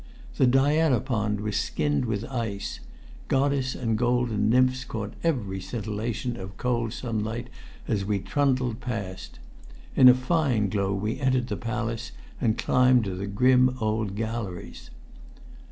The Diana pond was skinned with ice; goddess and golden nymphs caught every scintillation of cold sunlight as we trundled past. In a fine glow we entered the palace and climbed to the grim old galleries.